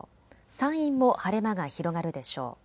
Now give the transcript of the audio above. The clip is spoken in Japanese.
山陰も晴れ間が広がるでしょう。